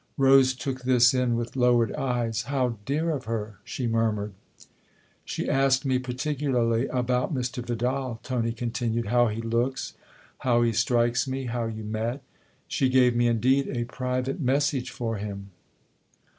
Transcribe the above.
Rose took this in with lowered eyes. " How dear of her !" she murmured. "She asked me particularly about Mr. Vidal," Tony continued " how he looks, how he strikes me, how you met. She gave me indeed a private message for him."